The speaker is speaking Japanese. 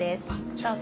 どうぞ。